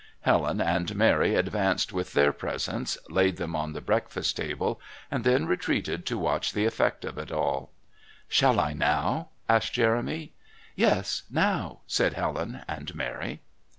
Helen and Mary advanced with their presents, laid them on the breakfast table, and then retreated to watch the effect of it all. "Shall I now?" asked Jeremy. "Yes, now," said Helen and Mary.